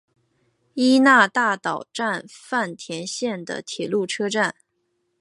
伊那大岛站饭田线的铁路车站。